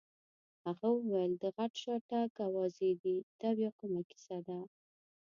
هغه وویل: د غټ شاتګ اوازې دي، دا بیا کومه کیسه ده؟